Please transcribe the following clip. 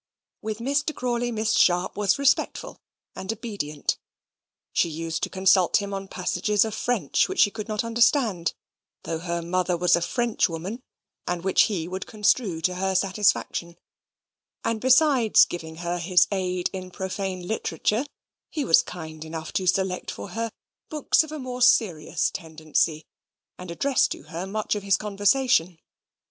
With Mr. Crawley Miss Sharp was respectful and obedient. She used to consult him on passages of French which she could not understand, though her mother was a Frenchwoman, and which he would construe to her satisfaction: and, besides giving her his aid in profane literature, he was kind enough to select for her books of a more serious tendency, and address to her much of his conversation.